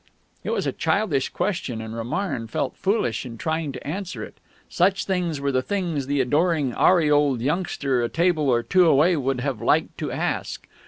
It was a childish question, and Romarin felt foolish in trying to answer it. Such things were the things the adoring aureoled youngster a table or two away would have liked to ask.